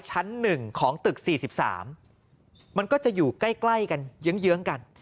ชั้น๑ของตึก๔๓มันก็จะอยู่ใกล้กันเยื้องกัน